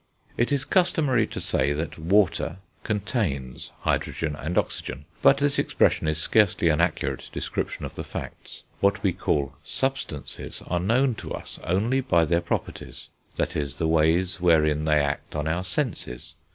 It is customary to say that water contains hydrogen and oxygen; but this expression is scarcely an accurate description of the facts. What we call substances are known to us only by their properties, that is, the ways wherein they act on our senses.